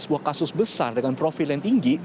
sebuah kasus besar dengan profil yang tinggi